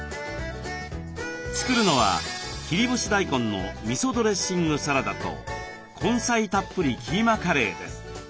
作るのは切り干し大根のみそドレッシングサラダと根菜たっぷりキーマカレーです。